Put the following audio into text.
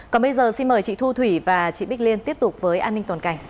còn bây giờ xin mời chị thu thủy và chị bích liên tiếp tục với an ninh toàn cảnh